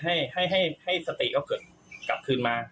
รันกับเหตุให้สติเกิดกลับเกินมา